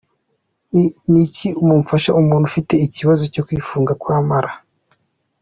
Ni iki mufasha umuntu ufite ikibazo cyo kwifunga kw’amara?.